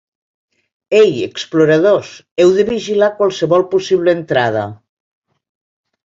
Ei, exploradors, heu de vigilar qualsevol possible entrada.